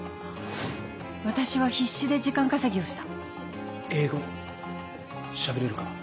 私は必死で時間稼ぎをした英語喋れるか？